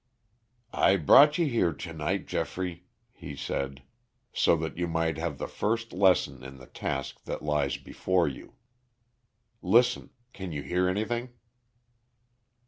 "I brought you here to night, Geoffrey," he said, "so that you might have the first lesson in the task that lies before you. Listen! can you hear anything?"